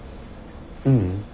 ううん。